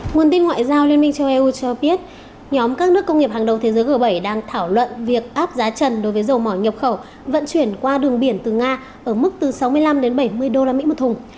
nguồn tin ngoại giao liên minh châu âu cho biết nhóm các nước công nghiệp hàng đầu thế giới g bảy đang thảo luận việc áp giá trần đối với dầu mỏ nhập khẩu vận chuyển qua đường biển từ nga ở mức từ sáu mươi năm đến bảy mươi usd một thùng